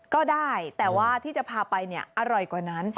ก็ได้แต่ว่าที่จะพาไปเนี่ยอร่อยกว่านั้น